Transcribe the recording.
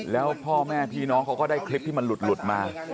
แล้วพ่อแม่พี่น้องเขาก็ได้คลิปที่มันหลุดมา